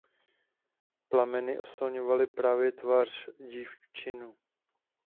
Plameny oslňovaly právě tvář dívčinu.